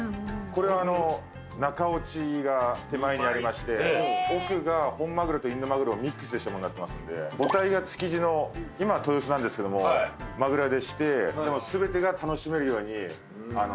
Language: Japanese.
これは中落ちが手前にありまして奥が本マグロとインドマグロをミックスしたものになってますので母体が築地の今は豊洲なんですけどもマグロ屋でして全てが楽しめるように作りました。